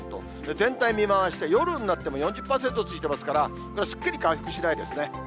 全体見回して、夜になっても４０％ついてますから、これ、すっきり回復しないですね。